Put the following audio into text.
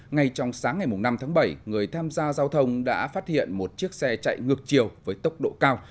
ngay trong sáng ngày năm tháng bảy người tham gia giao thông đã phát hiện một chiếc xe chạy ngược chiều với tốc độ cao